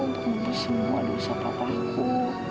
untuk ngobrol semua dosa papaku